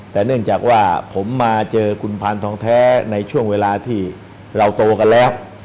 แต่เนื่องจากว่าผมมาเจอคุณพานทองแท้ในช่วงเวลาที่เราโตกันแล้ว